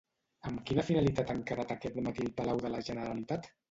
Amb quina finalitat han quedat aquest matí al Palau de la Generalitat?